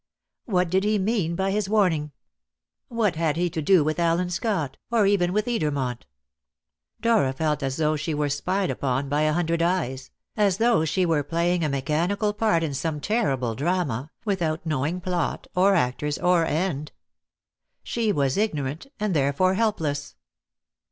What did he mean by his warning? What had he to do with Allen Scott, or even with Edermont? Dora felt as though she were spied upon by a hundred eyes; as though she were playing a mechanical part in some terrible drama, without knowing plot, or actors, or end. She was ignorant, and therefore helpless.